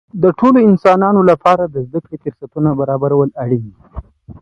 د ټولو انسانانو لپاره د زده کړې فرصتونه برابرول اړین دي.